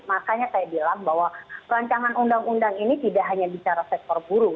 makanya saya bilang bahwa rancangan undang undang ini tidak hanya bicara sektor buruh